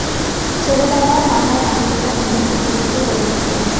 সরে দাঁড়াও, নাহয় আমি এটা ভেঙ্গে টুকরো টুকরো করে ফেলবো!